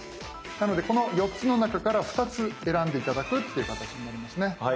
なのでこの４つの中から２つ選んで頂くっていう形になりますね。